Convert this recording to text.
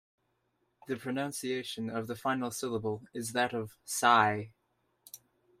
The pronunciation of the final syllable is that of "sigh".